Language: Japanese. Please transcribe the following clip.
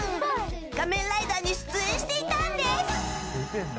「仮面ライダー」に出演していたんです。